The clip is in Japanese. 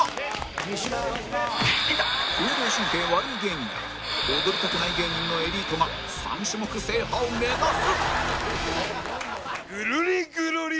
運動神経悪い芸人や踊りたくない芸人のエリートが３種目制覇を目指す！